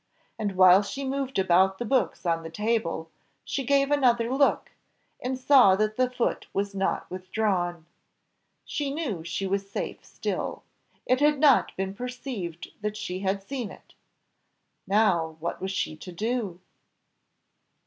And, while she moved about the books on the table, she gave another look, and saw that the foot was not withdrawn. She knew she was safe still, it had not been perceived that she had seen it; now what was she to do?